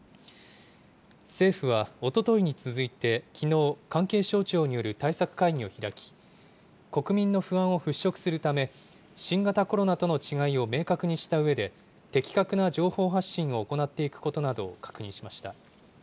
政府はおとといに続いてきのう、関係省庁による対策会議を開き、国民の不安を払拭するため、新型コロナとの違いを明確にしたうえで、的確な情報発信を行っていくことなどを確認しました。